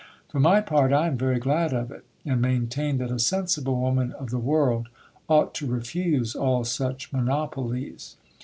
For my part, I am very glad of it ^ and maintain that a sensible woman of the world ought to refuse all such monopolies.